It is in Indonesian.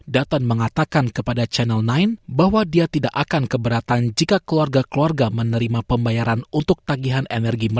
dutton mengatakan kepada channel sembilan bahwa dia tidak akan keberatan jika keluarga keluarga menerima pembayaran untuk tagihan energi